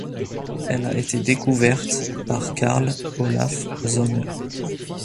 Elle a été découverte par Carl Olaf Sonne.